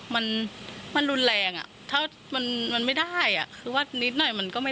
มันมันรุนแรงอ่ะถ้ามันมันไม่ได้อ่ะคือว่านิดหน่อยมันก็ไม่